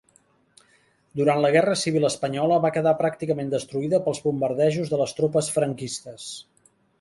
Durant la Guerra Civil espanyola va quedar pràcticament destruïda pels bombardejos de les tropes franquistes.